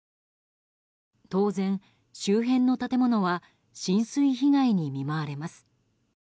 当然、周辺の建物は浸水被害に見舞われます。